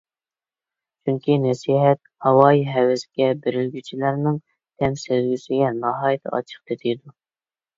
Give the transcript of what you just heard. چۈنكى، نەسىھەت ھاۋايى-ھەۋەسكە بېرىلگۈچىلەرنىڭ تەم سەزگۈسىگە ناھايىتى ئاچچىق تېتىيدۇ.